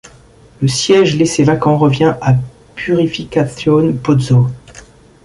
Le siège laissé vacant revient à Purificación Pozo.